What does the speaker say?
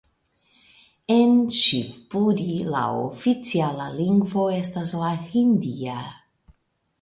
En Ŝivpuri la oficiala lingvo estas la hindia.